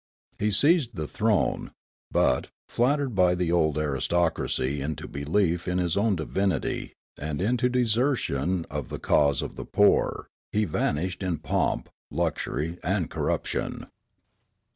He seized the throne, but, flattered b}' the old aristo crac}' into belief in his own divinity and into desertion of the cause of the poor, he vanished in pomp, luxury, and corruption.